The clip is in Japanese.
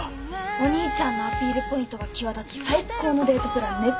お兄ちゃんのアピールポイントが際立つ最高のデートプラン練っといたから。